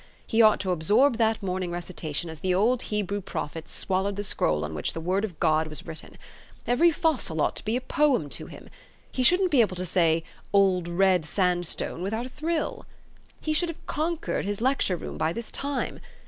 He ought to absorb that morning recitation as the old Hebrew prophets swallowed the scroll on which the word of God was written. Every fossil ought to be a poem to him. He shouldn't be able to say Old Red Sandstone without a thrill ! He should have conquered his lecture room by this time.